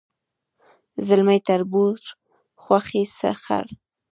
ځلمی تربور خواښې سخر